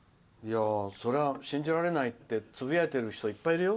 それは信じられないってつぶやいてる人いっぱいいるよ。